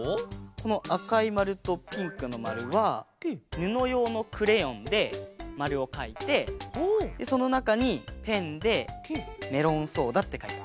このあかいまるとピンクのまるはぬのようのクレヨンでまるをかいてでそのなかにペンで「メロンソーダ」ってかいた。